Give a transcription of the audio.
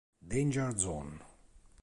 Danger Zone